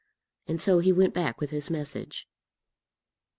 And so he went back with his message.